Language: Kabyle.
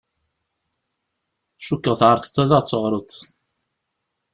Cukkeɣ tɛerḍeḍ ad aɣ-d-teɣṛeḍ.